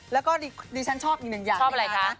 แล้วก็ดิฉันชอบอีกหนึ่งอย่างนะ